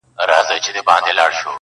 که ترخه شراب ګنا ده او حرام دي,